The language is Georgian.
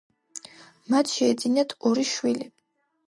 მათ შეეძინათ ორი შვილი.